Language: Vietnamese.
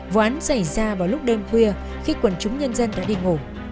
vụ án xảy ra vào lúc đêm khuya khi quần chúng nhân dân đã đi ngủ